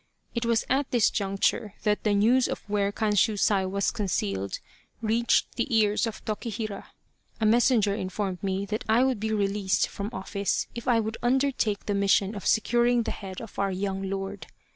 It was at this juncture that the news of where Kanshusai was concealed reached the ears of Tokihira. A messenger informed me that I would be released from office if I would undertake the mission of se curing the head of our young lord.